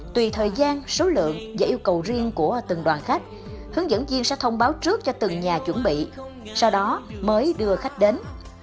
tùy thời gian số lượng và yêu cầu riêng của từng đoàn khách hướng dẫn viên sẽ thông báo trước cho từng nhà chuẩn bị sau đó mới đưa khách đến